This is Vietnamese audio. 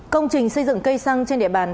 công trình xây dựng cây xăng trên địa bàn